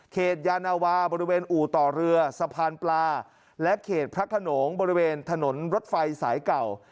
ยานาวาบริเวณอู่ต่อเรือสะพานปลาและเขตพระขนงบริเวณถนนรถไฟสายเก่า